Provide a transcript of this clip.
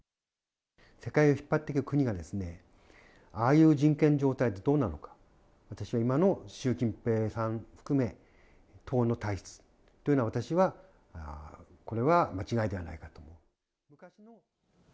世界を引っ張っている国がですね、ああいう人権状態でどうなのか、私は今の習近平さん含め、党の体質というのは、私は、これは間違いではないかと思う。